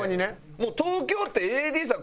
東京ってＡＤさん